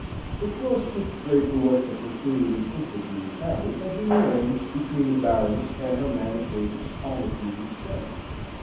The course which Draper was to pursue in his interview with Harry had been arranged between the Baroness and her man of business on the previous day.